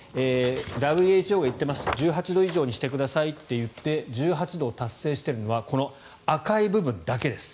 ＷＨＯが言っていますが１８度以上にしてくださいと言って１８度を達成しているのは赤い部分だけです。